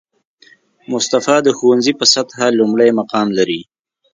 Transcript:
مصطفی د ښوونځي په سطحه لومړی مقام لري